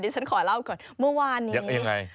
ติดตามทางราวของความน่ารักกันหน่อย